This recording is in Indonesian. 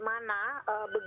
menjadi korban phk